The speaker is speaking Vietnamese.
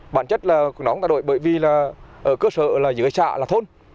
bản chất là nó không thay đổi bởi vì ở cơ sở dưới xã là thôn